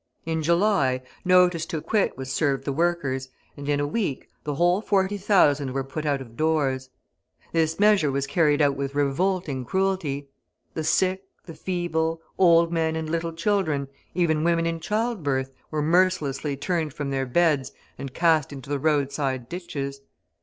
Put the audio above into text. In July, notice to quit was served the workers, and, in a week, the whole forty thousand were put out of doors. This measure was carried out with revolting cruelty. The sick, the feeble, old men and little children, even women in childbirth, were mercilessly turned from their beds and cast into the roadside ditches.